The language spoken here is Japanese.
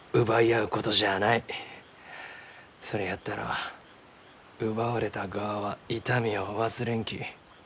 それやったら奪われた側は痛みを忘れんき。